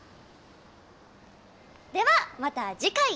ではまた次回。